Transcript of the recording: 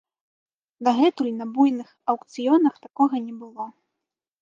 Дагэтуль на буйных аўкцыёнах такога не было.